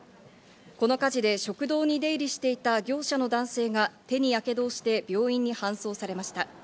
この火事で食堂に出入りしていた業者の男性が手にやけどをして病院に搬送されました。